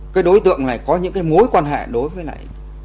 cái đối tượng này có những cái mối quan hệ đối với lại